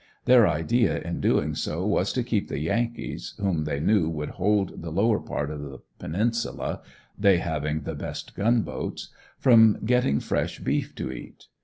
Their idea in doing so was to keep the Yankees whom they knew would hold the lower part of the Peninsula, they having the best gunboats from getting fresh beef to eat.